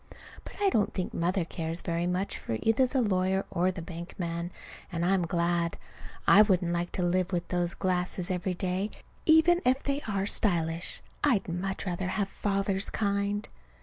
But I don't think Mother cares very much for either the lawyer or the bank man, and I'm glad. I wouldn't like to live with those glasses every day, even if they are stylish. I'd much rather have Father's kind.